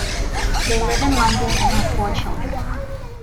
They live in London, and have four children.